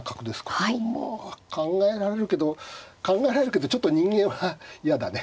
まあ考えられるけど考えられるけどちょっと人間は嫌だね。